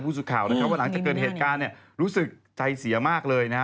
กับผู้สุดข่าวนะครับหลังจากเกิดเหตุการณ์รู้สึกใจเสียมากเลยนะ